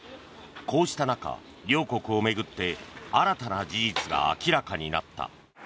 こうした中、両国を巡って新たな事実が明らかになった。